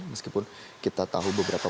meskipun kita tahu beberapa